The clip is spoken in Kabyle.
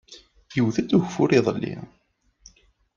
Iwwet-d ugfur iḍelli.